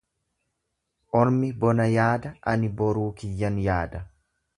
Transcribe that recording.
Ormi bona yaada ani boruu kiyyan yaada.